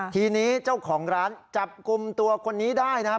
ทีนี้เจ้าของร้านจับกลุ่มตัวคนนี้ได้นะครับ